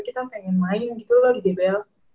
kita pengen main gitu loh di dbl